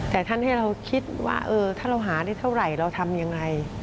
แต่ท่านให้เราคิดว่าถ้าเราหาได้เท่าไหร่เราทำยังไง